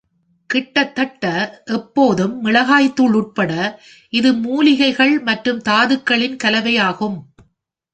கிட்டத்தட்ட எப்போதும் மிளகாய்த் தூள் உட்பட, இது மூலிகைகள் மற்றும் தாதுக்களின் கலவையாகும்.